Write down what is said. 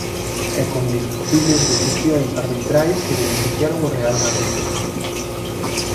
E con discutibles decisións arbitrais que beneficiaron o Real Madrid.